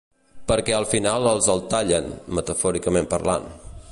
Perquè al final els el tallen, metafòricament parlant.